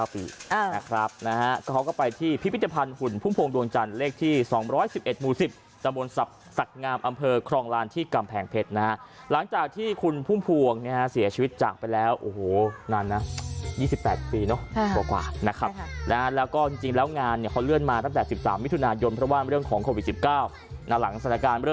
นะครับนะฮะเขาก็ไปที่พิพิธภัณฑ์หุ่นพุ่มพวงดวงจันทร์เลขที่๒๑๑หมู่๑๐ตะบนศักดิ์งามอำเภอครองลานที่กำแพงเพชรนะฮะหลังจากที่คุณพุ่มพวงเนี่ยเสียชีวิตจากไปแล้วโอ้โหนานนะ๒๘ปีเนอะกว่านะครับนะฮะแล้วก็จริงแล้วงานเนี่ยเขาเลื่อนมาตั้งแต่๑๓มิถุนายนเพราะว่าเรื่องของโควิด๑๙หลังสถานการณ์ร